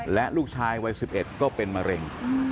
และลูกชายวัย๑๑ก็เป็นมะเร็ง